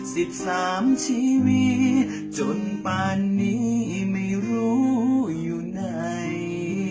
สิบสามชีวิตจนป่านนี้ไม่รู้อยู่ไหน